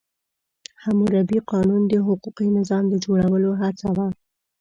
حموربي قانون د حقوقي نظام د جوړولو هڅه وه.